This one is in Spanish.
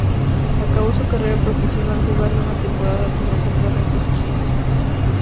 Acabó su carrera profesional jugando una temporada con los Sacramento Kings.